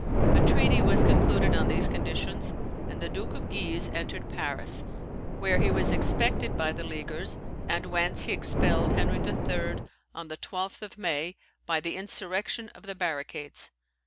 A treaty was concluded on these conditions, and the Duke of Guise entered Paris, where he was expected by the Leaguers, and whence he expelled Henry III. on the 12th of May, by the insurrection of the barricades.